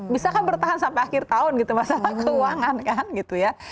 bisa kan bertahan sampai akhir tahun gitu masalah keuangan kan gitu ya